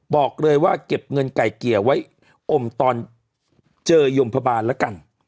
บอกเลยว่าเก็บเงินไก่เกลี่ยไว้อมตอนเจอยมพบาลแล้วกัน